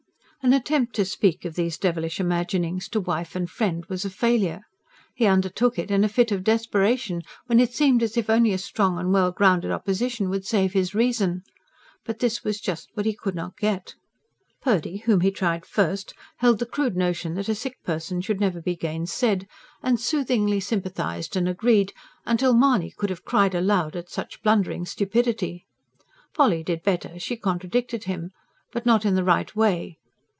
An attempt to speak of these devilish imaginings to wife and friend was a failure. He undertook it in a fit of desperation, when it seemed as if only a strong and well grounded opposition would save his reason. But this was just what he could not get. Purdy, whom he tried first, held the crude notion that a sick person should never be gainsaid; and soothingly sympathised and agreed, till Mahony could have cried aloud at such blundering stupidity. Polly did better; she contradicted him. But not in the right way.